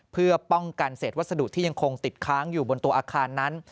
เพื่อป้องกันเศษวัสดุที่ยังคงติดค้างอยู่บนตัวอาคารนั้น